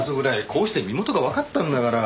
こうして身元がわかったんだから。